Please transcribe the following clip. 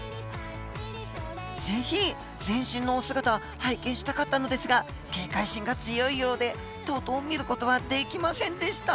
ぜひ全身のお姿拝見したかったのですが警戒心が強いようでとうとう見ることはできませんでした。